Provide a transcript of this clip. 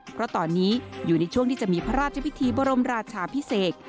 เพราะตอนนี้อยู่ในช่วงที่จะมีพระราชพิธีบรมราชาพิเศษ